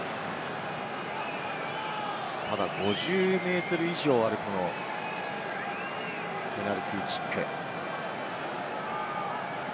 ただ５０ｍ以上あるペナルティーキック。